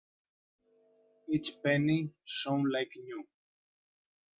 Each penny shone like new.